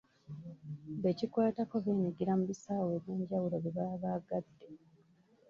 Be kikwatako beenyigira mu bisaawe eby'enjawulo bye baba baagadde.